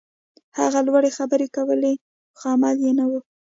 هغوی لوړې خبرې کولې، خو عمل نه و.